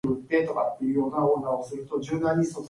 These first models were mostly blue in color.